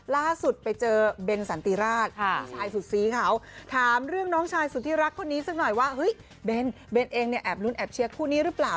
ล่าสุดไปเจอเบนสันติราชพี่ชายสุดซีเขาถามเรื่องน้องชายสุดที่รักคนนี้สักหน่อยว่าเฮ้ยเบนเองเนี่ยแอบลุ้นแอบเชียร์คู่นี้หรือเปล่า